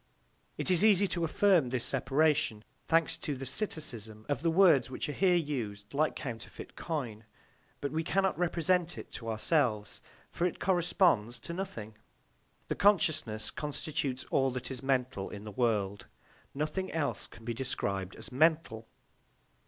It is easy to affirm this separation, thanks to the psittacism of the words, which are here used like counterfeit coin, but we cannot represent it to ourselves, for it corresponds to nothing. The consciousness constitutes all that is mental in the world; nothing else can be described as mental.